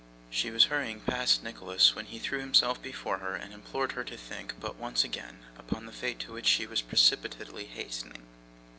She was hurrying past Nicholas, when he threw himself before her, and implored her to think, but once again, upon the fate to which she was precipitately hastening.